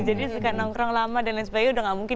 jadi suka nongkrong lama dan lain sebagainya udah gak mungkin